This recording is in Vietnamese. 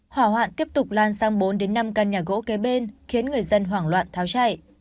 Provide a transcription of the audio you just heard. hỏa hoạn tiếp tục lan sang bốn năm căn nhà gỗ kế bên khiến người dân hoảng loạn tháo chạy